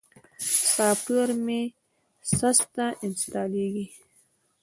سافټویر مې سسته انستالېږي.